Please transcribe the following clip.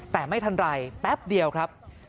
แต่ไม่ทันไรแป๊บเดียวครับ